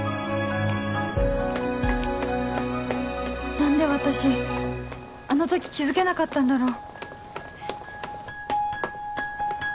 何で私あの時気付けなかったんだろう